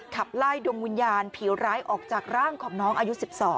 ขับไล่ดวงวิญญาณผิวร้ายออกจากร่างของน้องอายุ๑๒